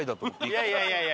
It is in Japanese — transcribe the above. いやいや、いやいや！